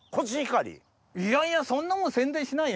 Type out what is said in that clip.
いやいやそんなもん宣伝しないよ